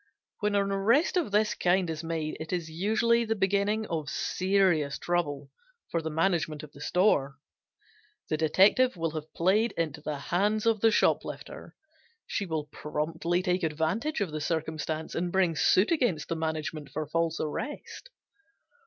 When an arrest of this kind is made it is usually the beginning of serious trouble for the management of the store. The detective will have played into the hands of the shoplifter; she will promptly take advantage of the circumstances and bring suit against the management for false arrest.